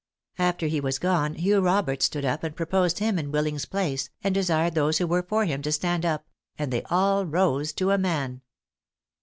After he was gone, Hugh Roberts stood up and proposed him in Willing's place, and desired those who were for him to stand up; and they all rose to a man."